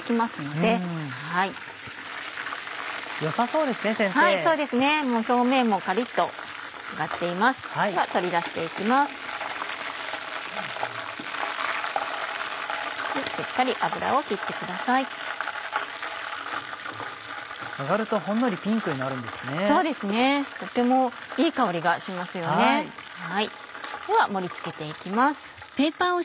では盛り付けて行きます。